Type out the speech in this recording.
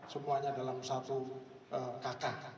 semuanya dalam satu kakak